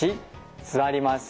座ります。